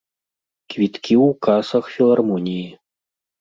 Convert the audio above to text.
Квіткі ў касах філармоніі.